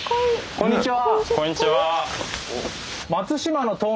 こんにちは。